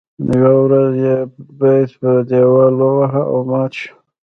يوه ورځ یې بت په دیوال وواهه او مات شو.